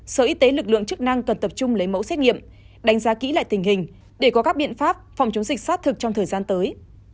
sở y tế lực lượng chức năng cần tập trung lấy mẫu xét nghiệm đánh giá kỹ lại tình hình để có các biện pháp phòng chống dịch sát thực trong thời gian tới